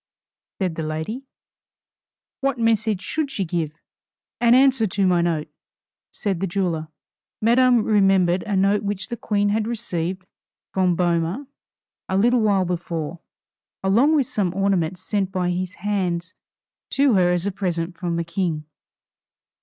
said the lady; "What message should she give?" "An answer to my note," said the jeweler. Madame remembered a note which the Queen had received from Boehmer a little while before, along with some ornaments sent by his hands to her as a present from the King.